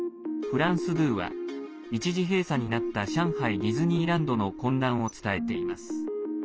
フランス２は一時閉鎖になった上海ディズニーランドの混乱を伝えています。